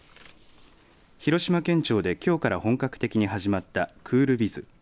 広島県庁で、きょうから本格的に始まったクールビズ。